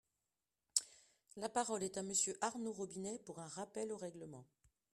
La parole est à Monsieur Arnaud Robinet, pour un rappel au règlement.